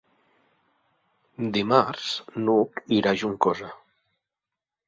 Dimarts n'Hug irà a Juncosa.